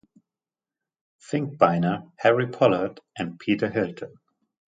Finkbeiner, Harry Pollard, and Peter Hilton.